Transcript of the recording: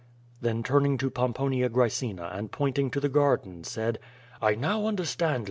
'' Then turning to Pomponia Graecina and pointing to the garden said: "I now understand.